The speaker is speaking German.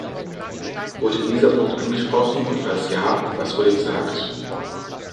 Wurde dieser Punkt angesprochen und falls ja, was wurde gesagt?